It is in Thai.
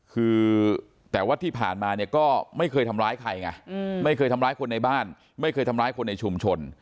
คือแต่ว่าที่ผ่านมาเนี่ยก็ไม่เคยทำร้ายใครไงไม่เคยทำร้ายคนในบ้านไม่เคยทำร้ายคนในชุมชน